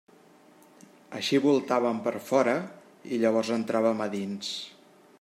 Així voltàvem per fora i llavors entràvem a dins.